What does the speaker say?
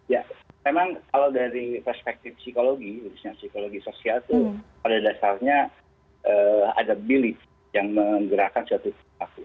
ya memang kalau dari perspektif psikologi berarti psikologi sosial tuh pada dasarnya ada belief yang menggerakkan suatu situasi